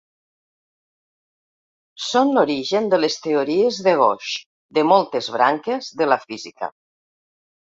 Són l'origen de les teories de gauge de moltes branques de la física.